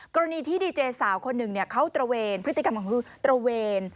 กรณีที่ดีเจสาวคนหนึ่งเขาตระเวนพฤติกรรมของคุณตระเวน